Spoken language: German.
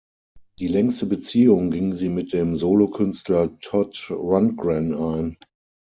Die längste Beziehung ging sie mit dem Solokünstler Todd Rundgren ein.